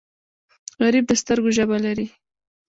غریب د سترګو ژبه لري